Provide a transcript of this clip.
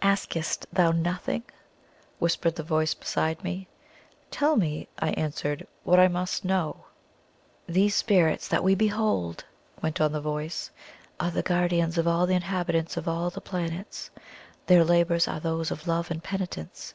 "Askest thou nothing?" whispered the voice beside me. "Tell me," I answered, "what I must know." "These spirits that we behold," went on the voice, "are the guardians of all the inhabitants of all the planets. Their labours are those of love and penitence.